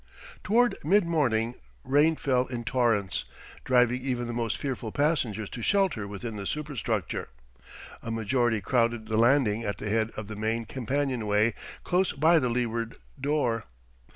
Toward mid morning rain fell in torrents, driving even the most fearful passengers to shelter within the superstructure. A majority crowded the landing at the head of the main companionway close by the leeward door.